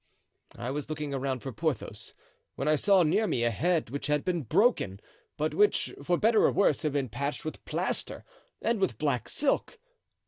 I was looking around for Porthos when I saw near me a head which had been broken, but which, for better or worse, had been patched with plaster and with black silk.